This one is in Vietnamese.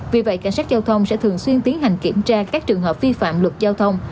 vì vậy cảnh sát giao thông sẽ thường xuyên tiến hành kiểm tra các trường hợp vi phạm luật giao thông